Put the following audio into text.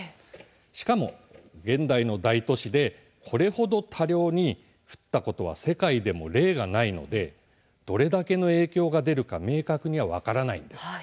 しかも現代の大都市でこれほど多量に降ったことは世界でも例がないのでどれだけの影響が出るか明確には分からないんです。